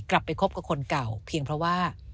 คบกับคนเก่าเพียงเพราะว่า